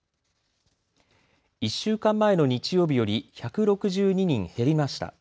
１週間前の日曜日より１６２人減りました。